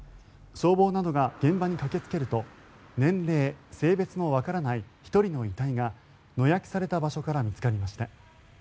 消防などが現場に駆けつけると年齢・性別のわからない１人の遺体が野焼きされた場所から見つかりました。